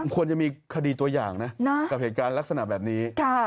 ควรจะมีคดีตัวอย่างนะกับเหตุการณ์ลักษณะแบบนี้